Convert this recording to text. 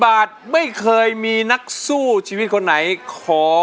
บาทไม่เคยมีนักสู้ชีวิตคนไหนขอ